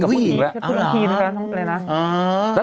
ผู้หญิงกับผู้หญิงแหละ